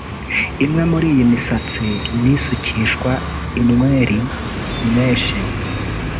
Imwe muri iyi misatsi ni isukishwa inweri (meches)